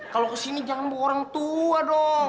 kalau kesini jangan bawa orang tua dong